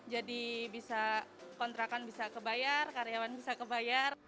jadi bisa kontrakan bisa kebayar karyawan bisa kebayar